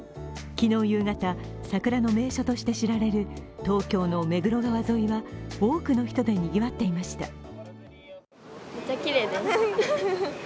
昨日夕方、桜の名所として知られる東京の目黒川沿いは多くの人でにぎわっていました。